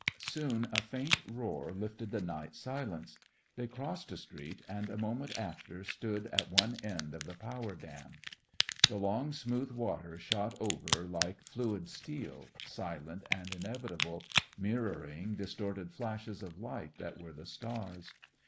Soon a faint roar lifted the night silence. They crossed a street, and a moment after stood at one end of the power dam. The long smooth water shot over, like fluid steel, silent and inevitable, mirroring distorted flashes of light that were the stars.